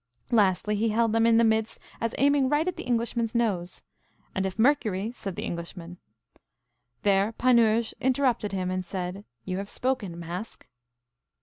Lastly, he held them in the midst, as aiming right at the Englishman's nose. And if Mercury, said the Englishman. There Panurge interrupted him, and said, You have spoken, Mask.